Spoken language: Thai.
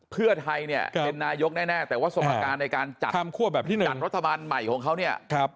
เพื่อไทยเป็นนายกแน่แต่ว่าสมัครการในการจัดรัฐบาลใหม่ของเขา